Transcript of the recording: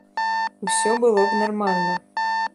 Усё было б нармальна.